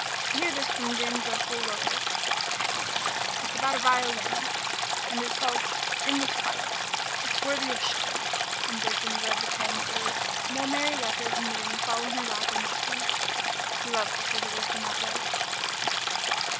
Hear this from James Russell Lowell. It's about a violin, and is called 'In the Twilight.' It's worthy of Shelley." And Bertrand read the poem through, while Mary let her knitting fall in her lap and listened. He loved to see her listen in that way.